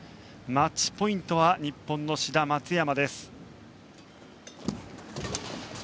マッチポイント日本の志田、松山。